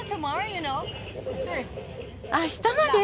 あしたまで？